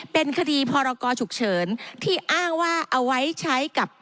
เป็นคดีพรกรฉุกเฉินที่อ้างว่าเอาไว้ใช้กับ